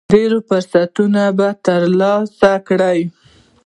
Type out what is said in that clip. ډېر فرصتونه به ترلاسه کړئ .